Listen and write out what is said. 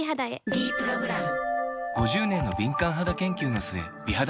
「ｄプログラム」